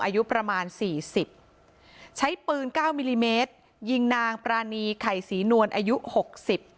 อายุประมาณสี่สิบใช้ปืนเก้ามิลลิเมตรยิงนางปรานีไข่ศรีนวลอายุหกสิบ